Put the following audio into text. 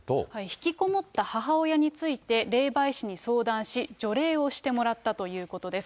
引きこもった母親について、霊媒師に相談し、除霊をしてもらったということです。